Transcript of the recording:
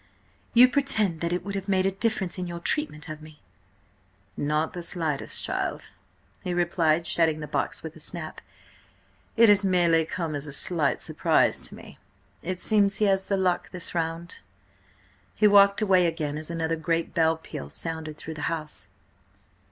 "You pretend that it would have made a difference in your treatment of me?" "Not the slightest, child," he replied, shutting the box with a snap. "It has merely come as a slight surprise to me. It seems he has the luck this round." He walked away again as another great bell peal sounded through the house.